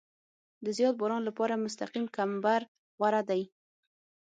د زیات باران لپاره مستقیم کمبر غوره دی